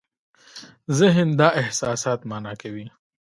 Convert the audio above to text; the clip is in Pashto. ذهن دا احساسات مانا کوي.